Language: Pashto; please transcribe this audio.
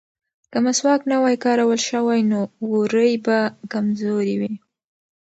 که مسواک نه وای کارول شوی نو وورۍ به کمزورې وې.